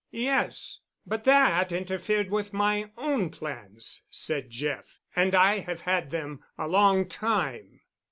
"Yes—but that interfered with my own plans," said Jeff. "And I have had them a long time."